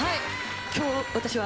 今日私は。